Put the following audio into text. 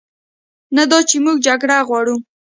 نه دا چې موږ جګړه غواړو،